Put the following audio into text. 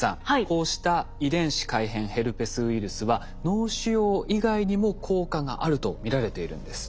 こうした遺伝子改変ヘルペスウイルスは脳腫瘍以外にも効果があると見られているんです。